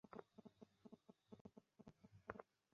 এটা কোনো প্রোগ্রামকে এই দুনিয়ায় প্রবেশের সুযোগ করে দেয়।